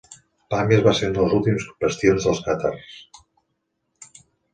Pàmies va ser un dels últims bastions dels càtars.